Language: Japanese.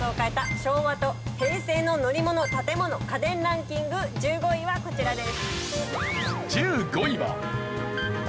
昭和と平成の乗り物・建物・家電ランキング１５位はこちらです。